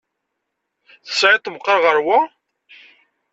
Tesɛiḍ-t meqqer ɣer wa?